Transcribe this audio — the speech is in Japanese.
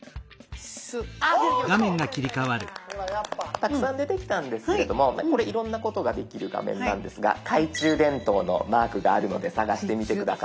たくさん出てきたんですけれどもこれいろいろなことができる画面なんですが懐中電灯のマークがあるので探してみて下さい。